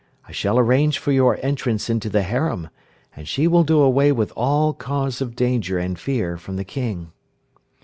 I shall arrange for your entrance into the harem, and she will do away with all cause of danger and fear from the King."